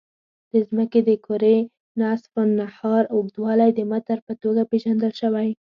د ځمکې د کرې نصف النهار اوږدوالی د متر په توګه پېژندل شوی.